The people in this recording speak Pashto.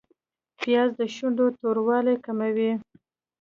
پیاز د شونډو توروالی کموي